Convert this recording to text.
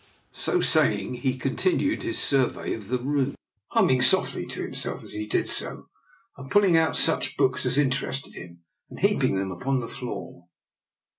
So saying, he continued his survey of the room, humming softly to himself as he did so, and pulling out such books as interested him, and heaping them upon the floor.